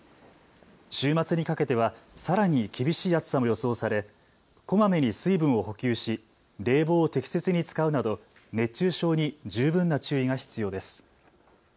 週末にかけては、さらに厳しい暑さも予想されこまめに水分を補給し冷房を適切に使うなど熱中症に十分な注意が必要です。